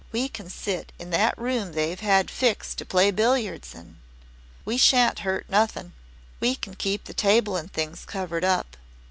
We can sit in that room they've had fixed to play billiards in. We shan't hurt nothing. We can keep the table and things covered up.